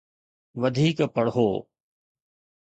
وڌيڪ پڙهو